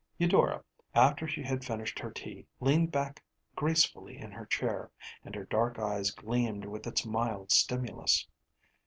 Eudora, after she had finished her tea, leaned back gracefully in her chair, and her dark eyes gleamed with its mild stimulus.